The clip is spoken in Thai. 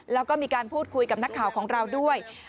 แล้วก็มีการพูดคุยกับนักข่าวของเราด้วย